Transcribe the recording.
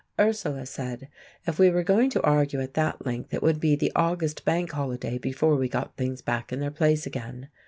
Ursula said if we were going to argue at that length it would be the August Bank Holiday before we got things back in their place again.